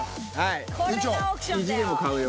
これがオークションだよ。